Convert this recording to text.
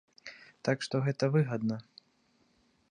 Так што гэта выгадна.